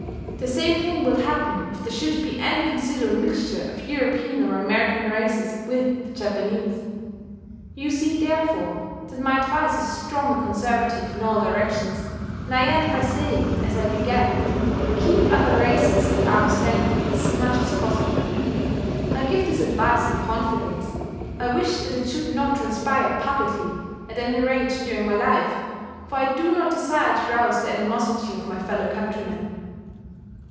The same thing will happen if there should be any considerable mixture of European or American races with the Japanese. You see, therefore, that my advice is strongly conservative in all directions, and I end by saying as I began keep other races at arm's length as much as possible. I give this advice in confidence. I wish that it should not transpire publicly, at any rate during my life, for I do not desire to rouse the animosity of my fellow countrymen.